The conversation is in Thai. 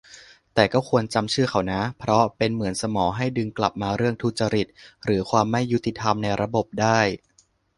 แต่ก็ควรจำชื่อเขานะ เพราะเป็นเหมือนสมอให้ดึงกลับมาเรื่องทุจริตหรือความไม่ยุติธรรมในระบบได้